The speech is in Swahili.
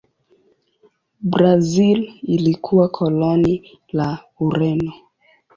Brazil ilikuwa koloni la Ureno.